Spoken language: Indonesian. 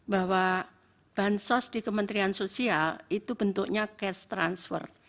bahwa bansos di kementerian sosial itu bentuknya cash transfer